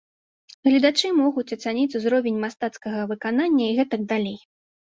Гледачы могуць ацаніць узровень мастацкага выканання і гэтак далей.